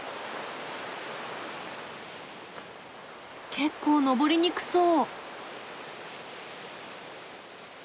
結構登りにくそう！